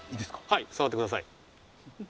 はい触って下さい。